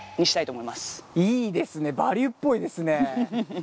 いいですね「バリュー」っぽいですね。